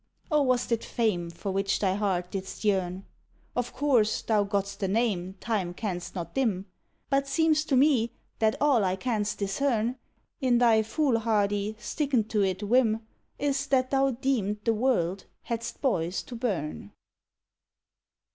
Or wast it fame for which thy heart didst yearn? Of course thou gotst a name time canst not dim, But seemst to me that all I canst discern In thy foolhardy, stickin to it whim Is that thou deemed the world hadst boys to burn.